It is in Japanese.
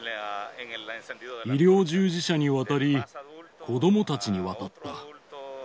医療従事者に渡り、子どもたちに渡った。